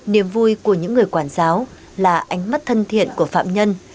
niềm vui của những người quản giáo là ánh mắt thân thiện của phạm nhân